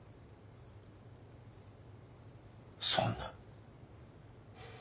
そんな。